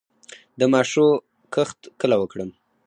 د ماشو کښت کله وکړم؟